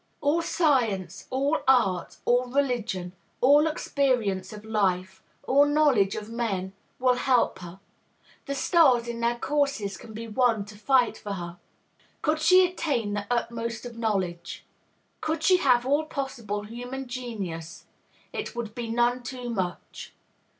All science, all art, all religion, all experience of life, all knowledge of men will help her; the stars in their courses can be won to fight for her. Could she attain the utmost of knowledge, could she have all possible human genius, it would be none too much.